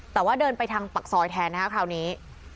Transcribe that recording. แต่ว่าเดินไปทางปากซอยแทนนะครับคราวนี้